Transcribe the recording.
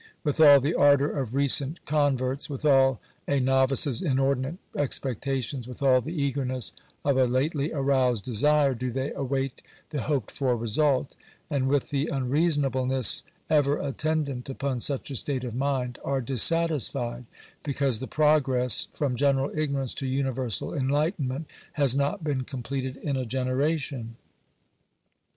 With all the ardour of recent Digitized by VjOOQIC 346 NATIONAL EDUCATION. converts — with all a novice's inordinate expectations — with all the eagerness of a lately aroused desire — do they await the hoped for result ; and, with the unreasonableness ever attendant upon such a state of mind, are dissatisfied, because the progress from general ignorance to universal enlightenment has not been com pleted in a generation.